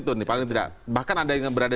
itu nih paling tidak bahkan ada yang berada